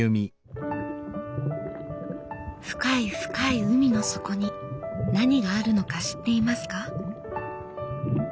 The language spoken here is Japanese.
深い深い海の底に何があるのか知っていますか？